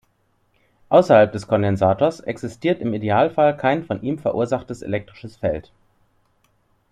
Außerhalb des Kondensators existiert im Idealfall kein von ihm verursachtes elektrisches Feld.